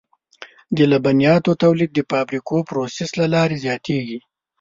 د لبنیاتو تولید د فابریکوي پروسس له لارې زیاتېږي.